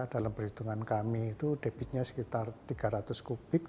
dalam perhitungan kami itu debitnya sekitar tiga ratus kubik